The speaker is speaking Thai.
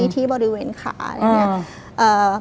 ที่บริเวณขาอะไรอย่างนี้